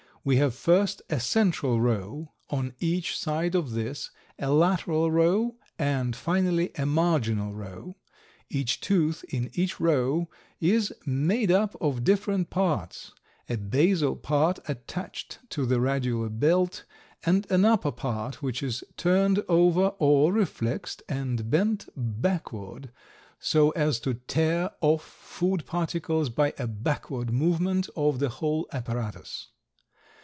We have first a central row, on each side of this a lateral row and finally a marginal row. Each tooth in each row is made up of different parts, a basal part attached to the radula belt and an upper part which is turned over or reflexed and bent backward so as to tear off food particles by a backward movement of the whole apparatus.